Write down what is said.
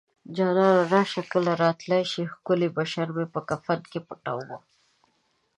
جانانه راشه که راتلی شې ښکلی بشر مې په کفن کې پټوينه